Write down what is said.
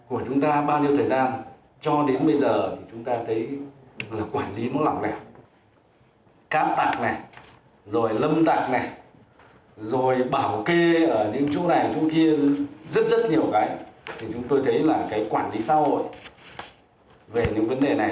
ở những chỗ kia rất rất nhiều cái thì chúng tôi thấy là cái quản lý xã hội về những vấn đề này